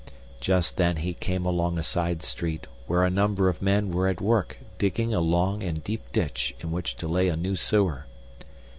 Just then he came along a side street where a number of men were at work digging a long and deep ditch in which to lay a new sewer.